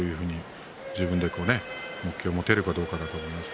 自分で目標を持てるかどうかだと思います。